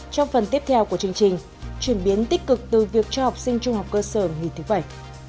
trong phần tiếp theo của chương trình chuyển biến tích cực từ việc cho học sinh trung học cơ sở nghỉ thứ bảy